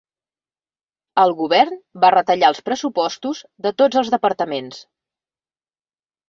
El govern va retallar els pressupostos de tots els departaments.